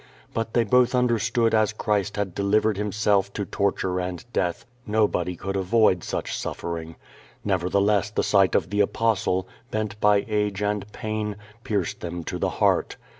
But they both understood as Christ had delivered Himself to torture and death nobody could avoid such suffering. Nev ertheless the sight of the Apostle, bent by age and pain, pierced them to the heart.